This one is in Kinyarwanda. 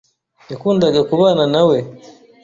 Yakundaga kubana na we.